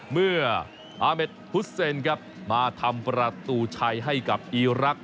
เมื่ออาเมดฮุสเซนครับมาทำประตูชัยให้กับอีรักษ